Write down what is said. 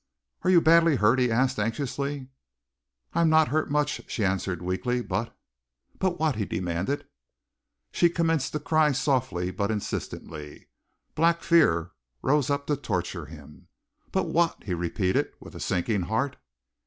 "Are you badly hurt?" he asked anxiously. "I am not hurt much," she answered weakly, "but " "But what?" he demanded. She commenced to cry softly but insistently. Black fear rose up to torture him. "But what?" he repeated, with sinking heart.